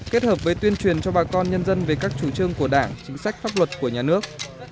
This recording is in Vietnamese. kết hợp với tuyên truyền cho bà con nhân dân về các chủ trương của đảng chính sách pháp luật của nhà nước